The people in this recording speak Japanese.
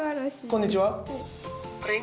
こんにちは？